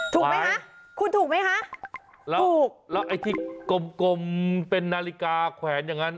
ถูกมั้ยฮะคุณถูกมั้ยฮะถูกแล้วไอ้ที่กลมเป็นนาฬิกาแขวนอย่างนั้น